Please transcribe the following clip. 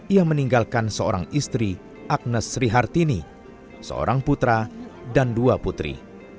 ia meninggalkan seorang istri agnes srihartini seorang putra dan dua putri